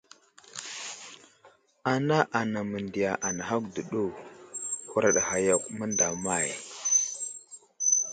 Ana anaŋ məndiya anahakw dəɗu, huraɗ ghay yakw mənday əmay !